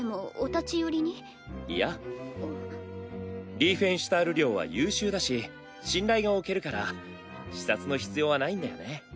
リーフェンシュタール領は優秀だし信頼が置けるから視察の必要はないんだよね。